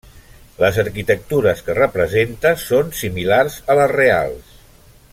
Les arquitectures que representa són similars a les reals.